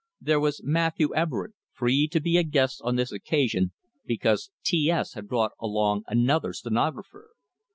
There was Matthew Everett, free to be a guest on this occasion, because T S had brought along another stenographer.